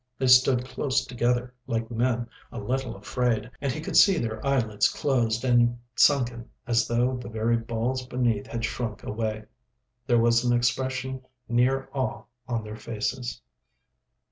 They stood close together like men a little afraid, and he could see their eyelids closed and sunken, as though the very balls beneath had shrunk away. There was an expression near awe on their faces.